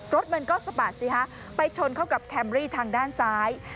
รถมันก็สะบัดสิฮะไปชนเข้ากับแคมรี่ทางด้านซ้าย